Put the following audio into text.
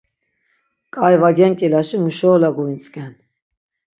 K̆ai va genk̆ilaşi muşeula guintzk̆en.